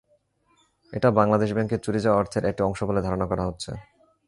এটা বাংলাদেশ ব্যাংকের চুরি যাওয়া অর্থের একটি অংশ বলে ধারণা করা হচ্ছে।